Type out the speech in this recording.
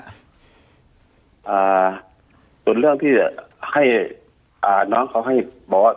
อ่าส่วนเรื่องที่ให้อ่าน้องเขาให้บอกว่า